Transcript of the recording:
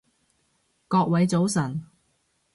各位早晨